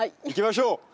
行きましょう！